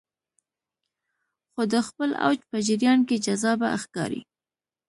خو د خپل اوج په جریان کې جذابه ښکاري